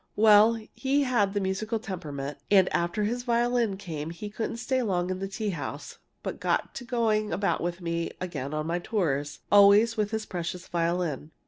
"Well, he had the musical temperament, and after his violin came he couldn't stay long in the tea house, but got to going about with me again on my tours always with his precious violin.